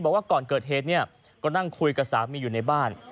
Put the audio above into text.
บอกว่าก่อนเกิดเหตุเนี่ยก็นั่งคุยกับสามีอยู่ในบ้าน